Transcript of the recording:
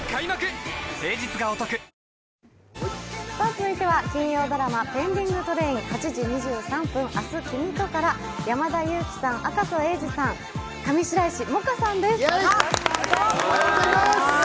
続いては金曜ドラマ「ペンディングトレイン−８時２３分、明日君と」から山田裕貴さん、赤楚衛二さん、上白石萌歌さんです。